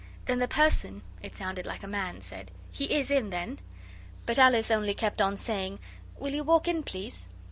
Then the person it sounded like a man said, 'He is in, then?' But Alice only kept on saying, 'Will you walk in, please?